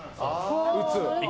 打つ。